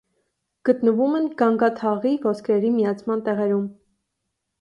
Գտնվում են գանգաթաղի ոսկրերի միացման տեղերում։